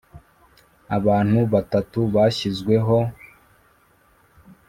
abantu batatu bashyizwe ho